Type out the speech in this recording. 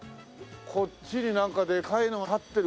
こっちになんかでかいの建ってる。